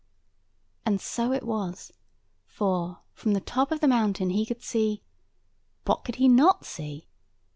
And so it was; for, from the top of the mountain he could see—what could he not see?